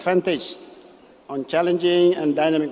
pada pasar yang mencabar dan dinamik